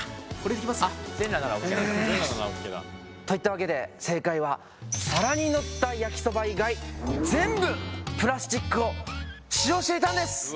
といったわけで正解は皿に乗った焼きそば以外全部プラスチックを使用していたんです。